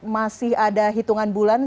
masih ada hitungan bulan